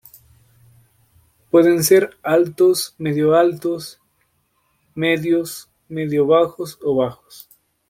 Pueden ser: altos, medio-altos, medios, medio-bajos o bajos.